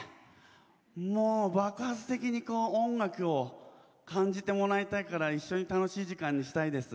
もう爆発的に音楽を感じてもらいたいから一緒に楽しい時間にしてほしいです。